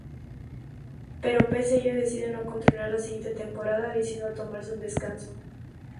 Pero pese a ello decide no continuar la siguiente temporada, decidiendo tomarse un descanso.